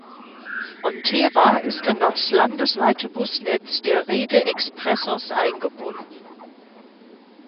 Fronteira ist in das landesweite Busnetz der Rede Expressos eingebunden.